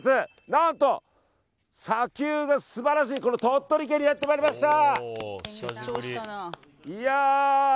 何と、砂丘がすばらしいこの鳥取県にやってまいりました！